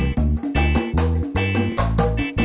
ganti bajunya dulu